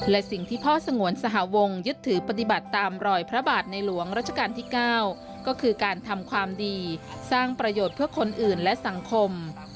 และสิ่งที่พ่อสงวนสหวงยึดถือปฏิบัติตามรอยพระบาทในหลวงรัชกาลที่๙ก็คือการทำความดีสร้างประโยชน์เพื่อคนอื่นและสังคม